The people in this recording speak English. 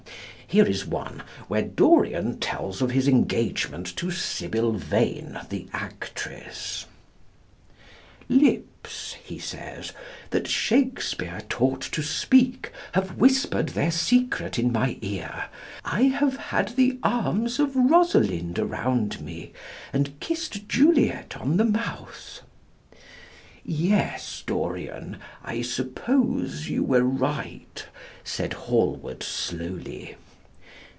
Here is one where, Dorian tells of his engagement to Sibyl Vane, the actress: "Lips," he says, "that Shakespeare taught to speak have whispered their secret in my ear. I have had the arms of Rosalind around me, and kissed Juliet on the mouth." "Yes, Dorian, I suppose you were right," said Hallward slowly.